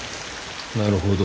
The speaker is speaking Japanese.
なるほど。